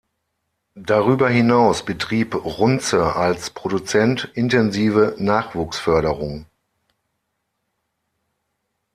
Darüber hinaus betrieb Runze als Produzent intensive Nachwuchsförderung.